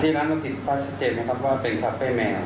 ที่ร้านปกติก็ชัดเจนไหมครับว่าเป็นคาเฟ่แมว